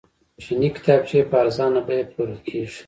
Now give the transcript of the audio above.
چیني کتابچې په ارزانه بیه پلورل کیږي.